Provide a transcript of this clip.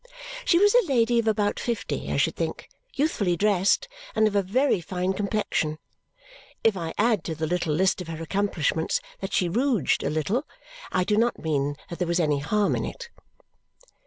She was a lady of about fifty, I should think, youthfully dressed, and of a very fine complexion. If I add to the little list of her accomplishments that she rouged a little, I do not mean that there was any harm in it.